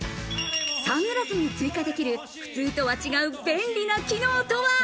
サングラスに追加できる普通とは違う、便利な機能とは？